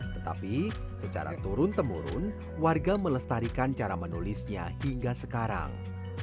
tetapi secara turun temurun warga melestarikan cara menulisnya hingga sekarang